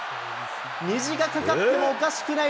虹が架かってもおかしくない